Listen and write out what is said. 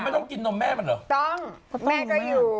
ต้องโลกแม่ก็อยู่